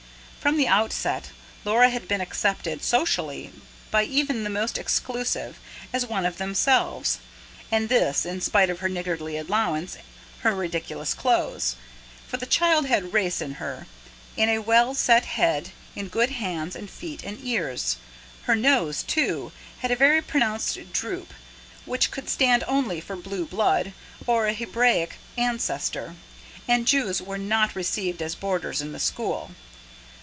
From the outset, Laura had been accepted, socially, by even the most exclusive, as one of themselves; and this, in spite of her niggardly allowance, her ridiculous clothes. For the child had race in her: in a well set head, in good hands and feet and ears. Her nose, too, had a very pronounced droop, which could stand only for blue blood, or a Hebraic ancestor and Jews were not received as boarders in the school.